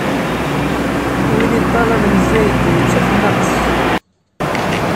Win iṭṭalaben zzayed, ittaf nnaqes.